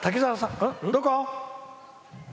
どこ？